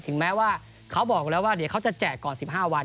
แม้ว่าเขาบอกแล้วว่าเดี๋ยวเขาจะแจกก่อน๑๕วัน